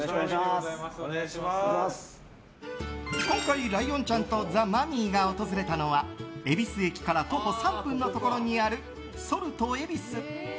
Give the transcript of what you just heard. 今回、ライオンちゃんとザ・マミィが訪れたのは恵比寿駅から徒歩３分のところにあるＳａｌｔ恵比寿。